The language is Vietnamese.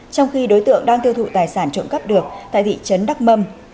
trong khi đối tượng đang tiêu thụ tài sản trộm cắp được tại thị trấn đắc mâm